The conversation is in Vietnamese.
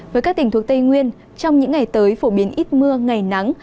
với các tỉnh thuộc tây nguyên trong những ngày tới phổ biến ít mưa ngày nắng